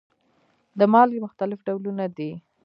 د مالګې مختلف ډولونه دي.